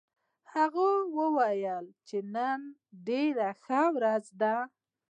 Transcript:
هغه وایي چې نن ډېره ښه ورځ ده